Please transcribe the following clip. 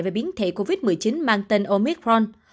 về biến thể covid một mươi chín mang tên omicron